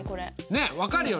ねっ分かるよね？